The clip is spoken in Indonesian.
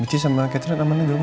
michi sama catherine aman aja dulu